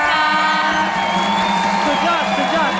สุดยอดสุดยอด